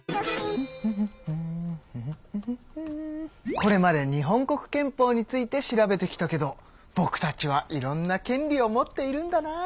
これまで日本国憲法について調べてきたけどぼくたちはいろんな権利を持っているんだな。